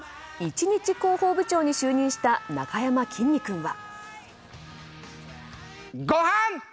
１日広報部長に就任したなかやまきんに君は。